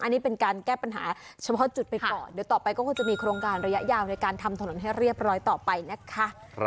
อันนี้เป็นการแก้ปัญหาเฉพาะจุดไปก่อนเดี๋ยวต่อไปก็คงจะมีโครงการระยะยาวในการทำถนนให้เรียบร้อยต่อไปนะคะ